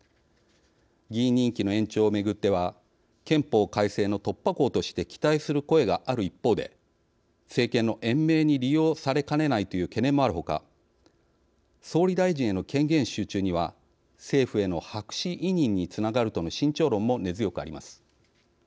議員任期の延長を巡っては憲法改正の突破口として期待する声がある一方で政権の延命に利用されかねないという懸念もあるほか総理大臣への権限集中には「政府への白紙委任につながるとの慎重論も根強くあります。